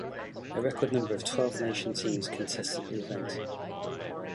A record number of twelve nation teams contested the event.